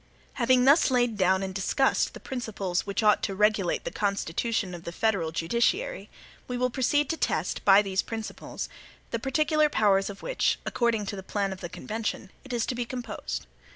Having thus laid down and discussed the principles which ought to regulate the constitution of the federal judiciary, we will proceed to test, by these principles, the particular powers of which, according to the plan of the convention, it is to be composed.